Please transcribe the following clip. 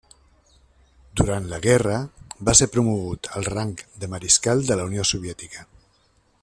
Durant la guerra va ser promogut al rang de Mariscal de la Unió Soviètica.